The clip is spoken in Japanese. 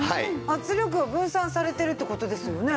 圧力が分散されてるって事ですよね。